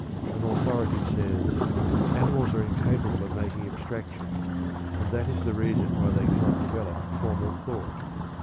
An authority says: "Animals are incapable of making abstractions, and that is the reason why they cannot develop formal thought.